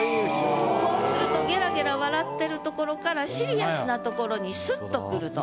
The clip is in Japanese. こうするとゲラゲラ笑ってるところからシリアスなところにスッとくると。